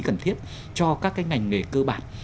cần thiết cho các cái ngành nghề cơ bản